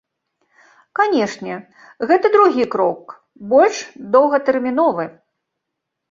Канешне, гэта другі крок, больш доўгатэрміновы.